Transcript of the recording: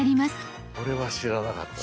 これは知らなかったぞ。